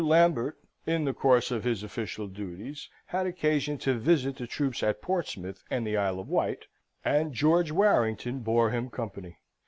Lambert, in the course of his official duties, had occasion to visit the troops at Portsmouth and the Isle of Wight, and George Warrington bore him company.